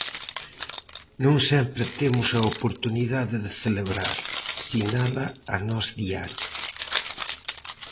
"Non sempre temos a oportunidade de celebrar", sinala a Nós Diario.